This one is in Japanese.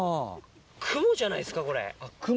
クモじゃないっすかこれ。